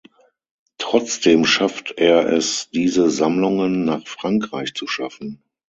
Trotzdem schafft er es diese Sammlungen nach Frankreich zu schaffen.